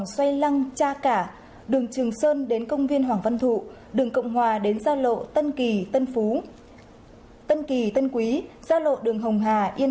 xin chào và hẹn gặp lại